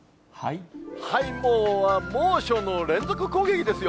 もう、猛暑の連続攻撃ですよ。